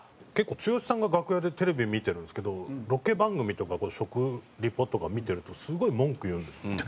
結構剛さんが楽屋でテレビ見てるんですけどロケ番組とか食リポとか見てるとすごい文句言うんです。